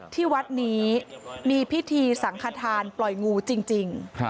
ที่วัดนี้มีพิธีสังขทานปล่อยงูจริง